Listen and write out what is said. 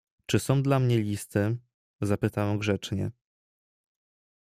"Czy są dla mnie listy, zapytałem grzecznie."